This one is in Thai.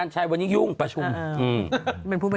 ชัยวันนี้ยุ่งประชุม